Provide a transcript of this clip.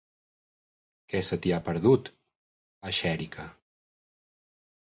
Què se t'hi ha perdut, a Xèrica?